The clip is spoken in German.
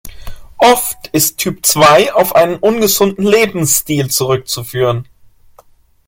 Oft ist Typ zwei auf einen ungesunden Lebensstil zurückzuführen.